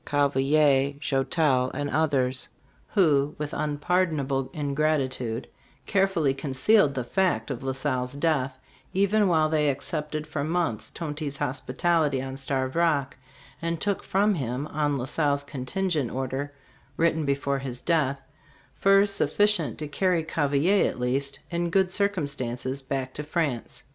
Cavelier, Joutel and others, who, with unpardonable ingratitude, carefully concealed the fact of La Salle's death, even while they accepted for months Tonty's hospitality on Starved Rock, and took from him, on La Salle's con tingent order written before his death, furs sufficient to carry Cavelier, at least, in good circumstances back to France.